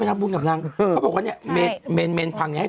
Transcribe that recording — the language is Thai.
เพราะว่าบางทีตอบได้ไม่หมด